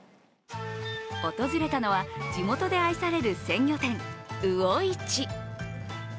訪れたのは、地元で愛される鮮魚店魚市。